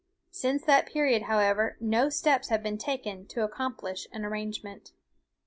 Since that period, however, no steps have been taken to accomplish an arrangement."